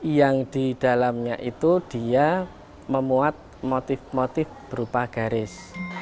yang di dalamnya itu dia memuat motif motif berupa garis